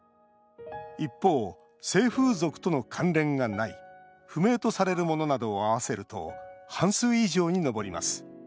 一方、性風俗との関連がない不明とされるものなどを合わせると半数以上に上ります。